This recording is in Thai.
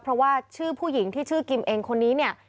เพราะว่าชื่อผู้หญิงที่ชื่อกิมเองคนนี้เนี่ย